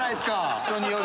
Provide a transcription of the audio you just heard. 人による。